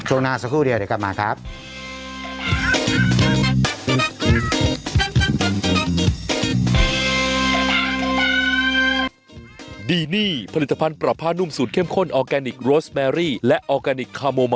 ช่วงหน้าสักครู่เดียวเดี๋ยวกลับมาครับ